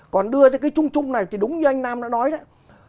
còn đưa ra cái chung chung này thì đúng như anh nam đã nói đấy